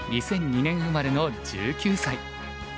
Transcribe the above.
２００２年生まれの１９歳。